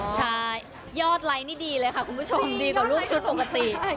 ใช่ยอดไลค์นี่ดีเลยค่ะคุณผู้ชมดีกว่าลูกชุดปกติ